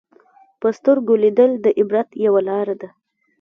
په سترګو لیدل د عبرت یوه لاره ده